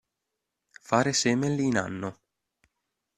Fare semel in anno.